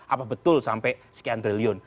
apa betul sampai sekian triliun